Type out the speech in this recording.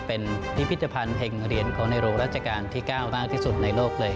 เป็นพิพิธภัณฑ์แห่งเหรียญของในหลวงราชการที่๙มากที่สุดในโลกเลย